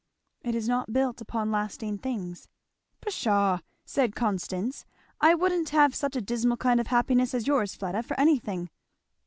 "It is not built upon lasting things." "Pshaw!" said Constance, "I wouldn't have such a dismal kind of happiness as yours, Fleda, for anything."